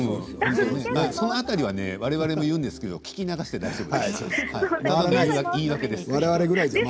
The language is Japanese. その辺りは、われわれも言うんですけど聞き流して大丈夫です。